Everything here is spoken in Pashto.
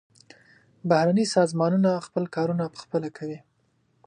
بهرني سازمانونه خپل کارونه پخپله کوي.